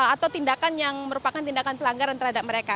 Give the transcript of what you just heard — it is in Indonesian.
atau tindakan yang merupakan tindakan pelanggaran terhadap mereka